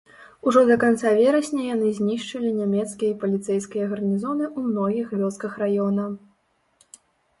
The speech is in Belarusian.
Ужо да канца верасня яны знішчылі нямецкія і паліцэйскія гарнізоны ў многіх вёсках раёна.